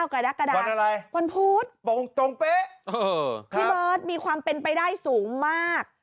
๑๙กรกฎาวันพุธที่เบิร์ดมีความเป็นไปได้สูงมาก